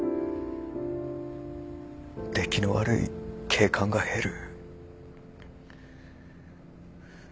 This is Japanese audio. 出来の悪い警官が減る。